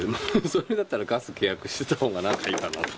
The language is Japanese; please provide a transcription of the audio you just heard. それだったらガス契約してた方がなんかいいかなと。